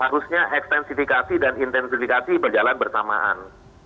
harusnya ekstensifikasi dan intensifikasi berjalan bersamaan